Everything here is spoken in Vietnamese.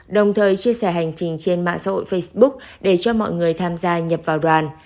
đồng thời chia sẻ hành trình trên mạng xã hội facebook để cho mọi người tham gia nhập vào đoàn